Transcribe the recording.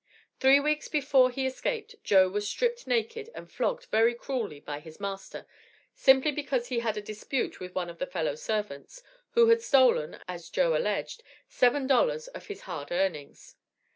Three weeks before he escaped, Joe was "stripped naked," and "flogged" very cruelly by his master, simply because he had a dispute with one of the fellow servants, who had stolen, as Joe alleged, seven dollars of his hard earnings.